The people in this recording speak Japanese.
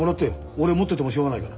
俺持っててもしょうがないから。